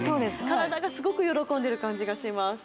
体がすごく喜んでる感じがします